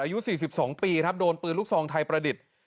อายุ๔๒ปีครับโดนปืนลูกซองไทยประดิษฐ์